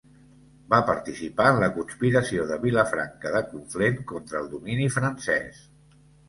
Va participar en la Conspiració de Vilafranca de Conflent contra el domini francès.